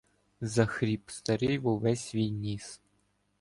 Захріп старий во весь свій ніс.